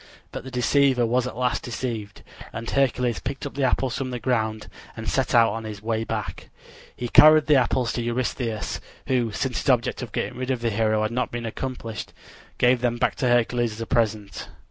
But the deceiver was at last deceived, and Hercules picked up the apples from the ground and set out on his way back. He carried the apples to Eurystheus, who, since his object of getting rid of the hero had not been accomplished, gave them back to Hercules as a present.